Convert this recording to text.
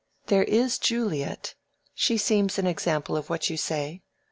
There is Juliet—she seems an example of what you say.